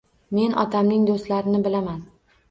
Men otamning doʻstlarini bilaman